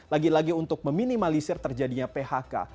lagi lagi untuk meminimalisir terjadinya phk